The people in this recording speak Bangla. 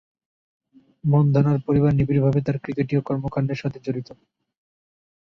মন্ধনা’র পরিবার নিবিড়ভাবে তার ক্রিকেটীয় কর্মকাণ্ডের সাথে জড়িত।